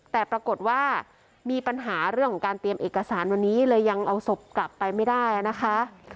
แต่ปรากฏว่ามีปัญหาเรื่องของการเตรียมเอกสารวันนี้เลยยังเอาศพกลับไปไม่ได้นะคะ